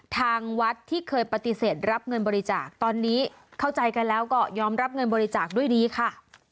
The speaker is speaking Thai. ทางวัดที่เคยปฏิเสธรับเงินบริจาคตอนนี้เข้าใจกันแล้วก็ยอมรับเงินบริจาคด้วยดีค่ะ